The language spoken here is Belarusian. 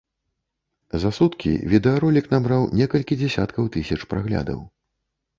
За суткі відэаролік набраў некалькі дзясяткаў тысяч праглядаў.